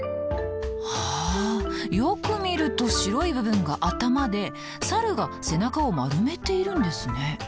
あよく見ると白い部分が頭で猿が背中を丸めているんですね。